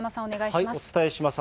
お伝えします。